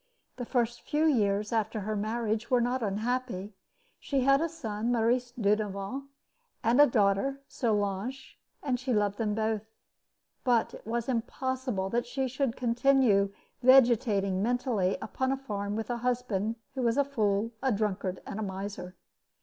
The first few years after her marriage were not unhappy. She had a son, Maurice Dudevant, and a daughter, Solange, and she loved them both. But it was impossible that she should continue vegetating mentally upon a farm with a husband who was a fool, a drunkard, and a miser.